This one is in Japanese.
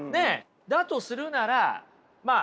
だとするならまあ